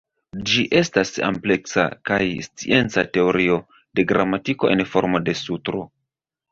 Ĝi estas ampleksa kaj scienca teorio de gramatiko en formo de sutro.